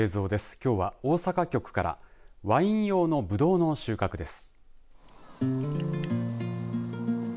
きょうは大阪局からワイン用のブドウの収穫です。